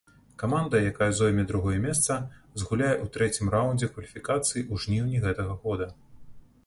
Каманда, якая зойме другое месца, згуляе ў трэцім раўндзе кваліфікацыі ў жніўні гэтага года.